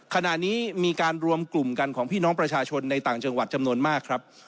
ขณะนี้มีการรวมกลุ่มกันของพี่น้องประชาชนในต่างจังหวัดจำนวนมากครับ